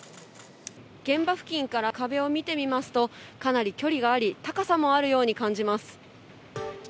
現場付近から壁を見てみますとかなり距離があり高さもあるように感じます。